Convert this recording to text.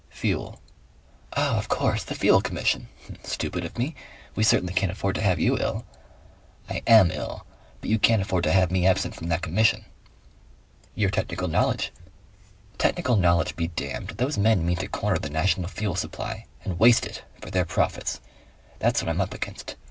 "Fuel." "Of course! The Fuel Commission. Stupid of me! We certainly can't afford to have you ill." "I AM ill. But you can't afford to have me absent from that Commission." "Your technical knowledge " "Technical knowledge be damned! Those men mean to corner the national fuel supply. And waste it! For their profits. That's what I'm up against.